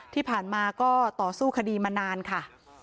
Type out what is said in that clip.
ที่ผ่านมาก็ต่อสู้คดีมานานค่ะ